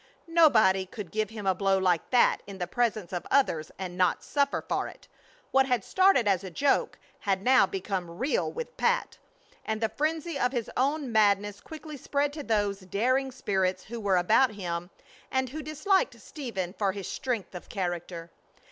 Nobody could give him a blow like that in the presence of others and not suffer for it. What had started as a joke had now become real with Pat; and the frenzy of his own madness quickly spread to those daring spirits who were about him and who disliked Stephen for his strength of character.